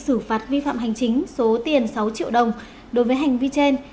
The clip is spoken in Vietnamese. xử phạt vi phạm hành chính số tiền sáu triệu đồng đối với hành vi trên